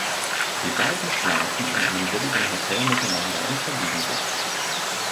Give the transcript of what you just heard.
Die beiden schlafen in einem billigen Hotel miteinander und verlieben sich.